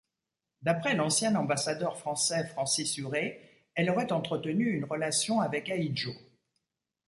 D'après l'ancien ambassadeur français Francis Huré, elle aurait entretenu une relation avec Ahidjo.